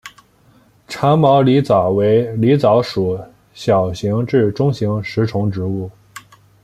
长毛狸藻为狸藻属小型至中型食虫植物。